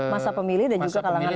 masa pemilih dan juga kalangan elit ya